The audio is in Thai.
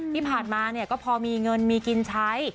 ที่ผ่านมาก็พอมีเงินมีกินใช้